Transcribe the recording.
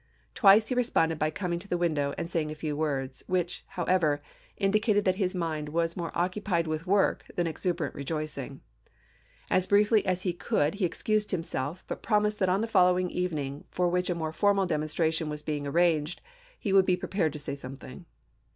Twice he re sponded by coming to the window and saying a few words, which, however, indicated that his mind RECONSTRUCTION 457 was more occupied with work than exuberant re chap.xix. joicing. As briefly as he could he excused himself, but promised that on the following evening, for which a more formal demonstration was being arranged, he would be prepared to say something.